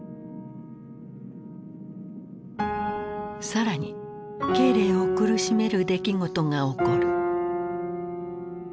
更に慶齢を苦しめる出来事が起こる。